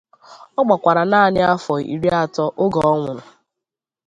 Ọ gbakwara naanị afọ iri atọ oge ọ nwụrụ.